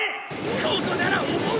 ここなら思う